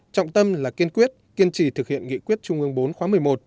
trọng tâm là kiên quyết kiên trì thực hiện nghị quyết trung ương bốn khóa một mươi một